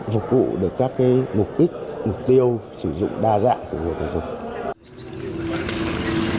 phục vụ được các mục đích mục tiêu sử dụng đa dạng của người tiêu dùng